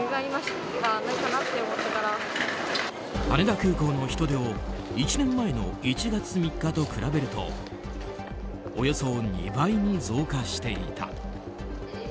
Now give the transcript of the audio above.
羽田空港の人出を１年前の１月３日と比べるとおよそ２倍に増加していた。